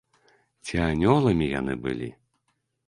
Ці анёламі яны былі?